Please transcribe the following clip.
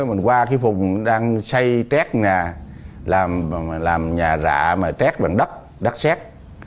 mình qua khí phùng đang xây trét nhà làm nhà rạ mà trét bằng đất đất xét